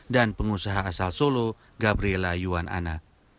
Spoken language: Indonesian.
dan pengusaha asal solo gabriela yuwanana